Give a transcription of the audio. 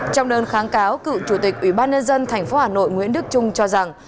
trong đơn kháng cáo cựu chủ tịch ủy ban nhân dân tp hà nội nguyễn đức trung cho rằng